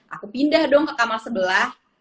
aku pindah dong ke kamar sebelah